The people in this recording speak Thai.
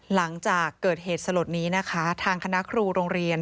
หลังจากเกิดเหตุสลดนี้นะคะทางคณะครูโรงเรียน